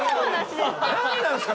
何なんすか？